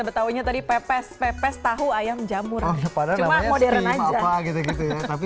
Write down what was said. betahunya tadi pepes pepes tahu ayam jamur pada nanya modern aja gitu tapi